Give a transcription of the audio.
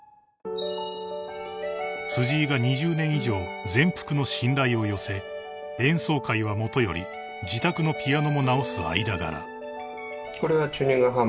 ［辻井が２０年以上全幅の信頼を寄せ演奏会はもとより自宅のピアノも直す間柄］